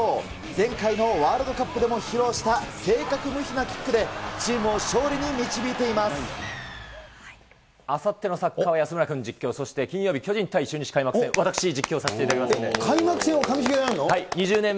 前回のワールドカップでも披露した正確無比なキックでチームを勝あさってのサッカーは安村君実況、金曜日、巨人対中日開幕戦、私、実況させていただきますんで。開幕戦を上重がやるの？